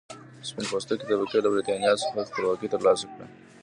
سپین پوستې طبقې له برېټانیا څخه خپلواکي تر لاسه کړه.